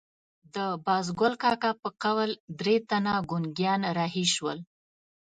د بازګل کاکا په قول درې تنه ګونګیان رهي شول.